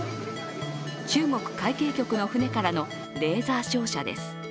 中国海警局の船からのレーザー照射です。